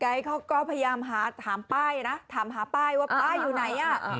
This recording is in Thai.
เขาก็พยายามหาถามป้ายนะถามหาป้ายว่าป้ายอยู่ไหนอ่ะ